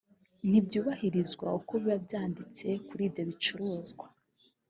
ntibyubahirizwa uko biba byanditse kuri ibyo bicuruzwa